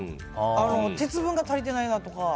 鉄分が足りてないなとか。